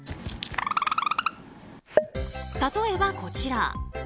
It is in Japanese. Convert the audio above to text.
例えば、こちら。